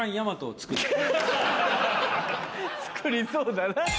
作りそうだな。